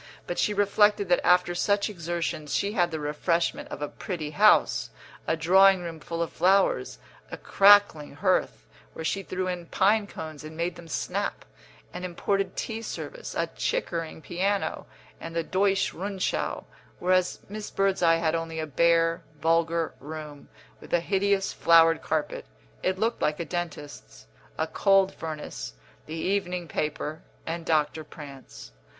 But she reflected that after such exertions she had the refreshment of a pretty house, a drawing room full of flowers, a crackling hearth, where she threw in pine cones and made them snap, an imported tea service, a Chickering piano, and the Deutsche Rundschau; whereas Miss Birdseye had only a bare, vulgar room, with a hideous flowered carpet (it looked like a dentist's), a cold furnace, the evening paper, and Doctor Prance.